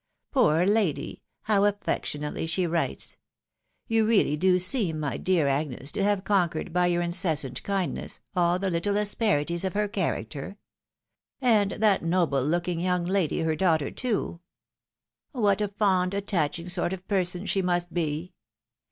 Poor lady! how affectionately she writes. You really do seem, my dear Agnes, to have conquered, by your incessant kindness, all the httle asperities of her charac ter. And that noble looking young lady her daughter, too ! What a fond, attaching sort of person she must be